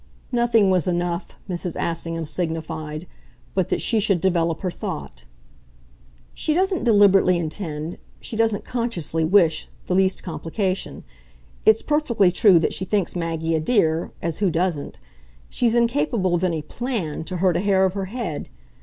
Nothing was enough, Mrs. Assingham signified, but that she should develop her thought. "She doesn't deliberately intend, she doesn't consciously wish, the least complication. It's perfectly true that she thinks Maggie a dear as who doesn't? She's incapable of any PLAN to hurt a hair of her head.